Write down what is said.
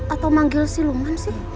atau manggil si luman sih